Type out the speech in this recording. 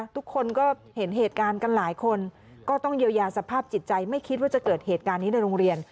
ทุกคนก็เห็นเหตุการณ์กันหลายคนก็ต้องเยียวยาสภาพจิตใจไม่คิดว่าจะเกิดเหตุการณ์นี้ในโรงเรียน